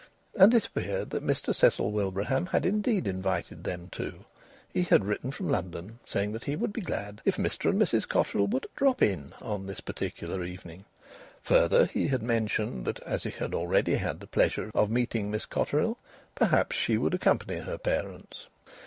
And it appeared that Mr Cecil Wilbraham had indeed invited them too. He had written from London saying that he would be glad if Mr and Mrs Cotterill would "drop in" on this particular evening. Further, he had mentioned that, as be had already had the pleasure of meeting Miss Cotterill, perhaps she would accompany her parents.